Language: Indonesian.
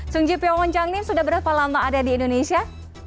sungji piongonjang ini sudah berapa lama ada di indonesia